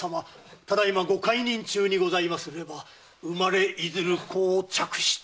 ただいまご懐妊中にございますれば産まれいずる子を嫡子と。